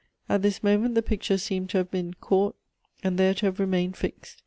At this moment the picture seemed to have been caught and there to have remained fixed.